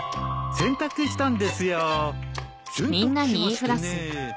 洗濯したんだよ。